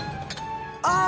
あ！